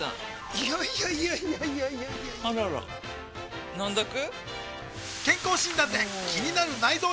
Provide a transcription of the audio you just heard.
いやいやいやいやあらら飲んどく？